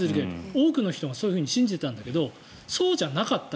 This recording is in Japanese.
多くの人がそういうふうに信じてたんだけどそうじゃなかった。